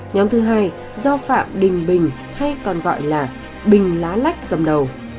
nhóm thứ hai do phạm đình bình hay còn gọi là bình lá lách cầm đầu